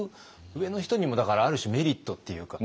上の人にもだからある種メリットっていうか。